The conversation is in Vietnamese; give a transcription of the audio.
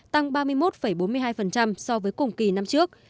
tăng ba mươi một bốn mươi hai so với cùng kỳ năm trước